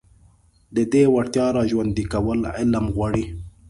د دې وړتيا راژوندي کول علم غواړي.